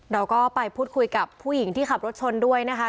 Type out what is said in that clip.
เราก็ไปพูดคุยกับผู้หญิงที่ขับรถชนด้วยนะคะ